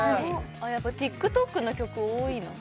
ＴｉｋＴｏｋの曲多いな。